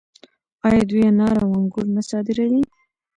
آیا دوی انار او انګور نه صادروي؟